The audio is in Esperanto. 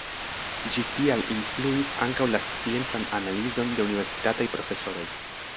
Ĝi tial influis ankaŭ la sciencan analizon de universitataj profesoroj.